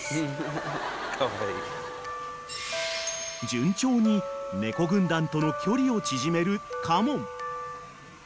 ［順調に猫軍団との距離を縮める嘉門］